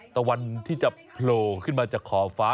ตะวันที่จะโผล่ขึ้นมาจากขอบฟ้า